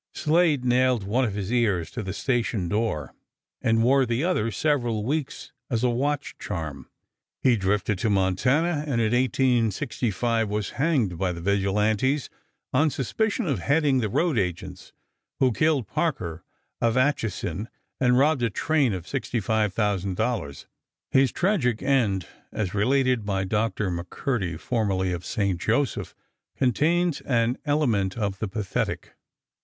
Slade nailed one of his ears to the station door and wore the other several weeks as a watch charm. He drifted to Montana, and in 1865 was hanged by the vigilantes on suspicion of heading the road agents who killed Parker of Atchison and robbed a train of $65,000. His tragic end, as related by Doctor McCurdy, formerly of St. Joseph, contains an element of the pathetic.